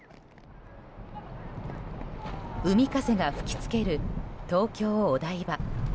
海風が吹き付ける東京・お台場。